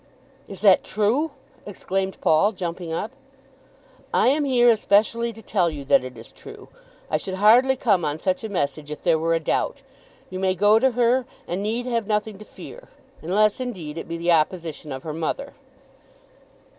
"Is that true?" exclaimed Paul, jumping up. "I am here especially to tell you that it is true. I should hardly come on such a mission if there were a doubt. You may go to her, and need have nothing to fear, unless, indeed, it be the opposition of her mother."